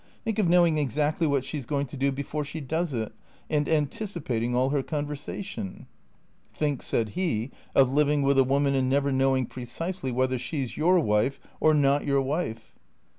Think of knowing exactly what she 's going to do before she does it, and anticipating all her conversation !"" Think," said he, " of living with a woman and never know ing precisely whether she 's your wife or not your wife."